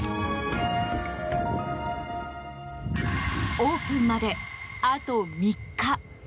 オープンまで、あと３日。